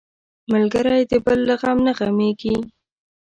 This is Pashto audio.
ملګری د بل له غم نه غمېږي